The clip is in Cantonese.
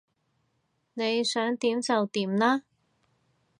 你想點就點啦